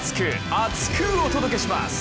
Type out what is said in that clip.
厚く！お届けします。